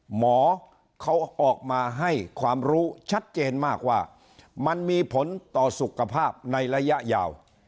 หมอเขาออกมาให้ความรู้ชัดเจนมากว่ามันมีผลต่อสุขภาพในระยะยาว